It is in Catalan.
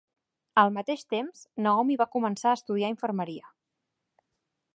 Al mateix temps, Naomi va començar a estudiar infermeria.